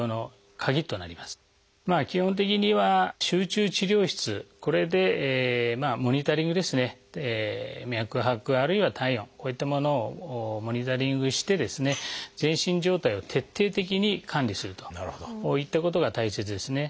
基本的には集中治療室これでモニタリング脈拍あるいは体温こういったものをモニタリングして全身状態を徹底的に管理するといったことが大切ですね。